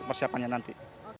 masih siapanya nanti